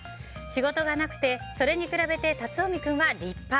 仕事がなくてそれに比べて龍臣君は立派。